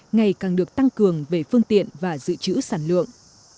ngày càng được tăng cường về phương tiện và dự trữ sản lượng